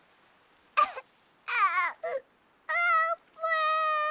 あああーぷん。